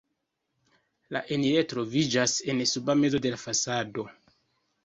La enirejo troviĝas en suba mezo de la fasado.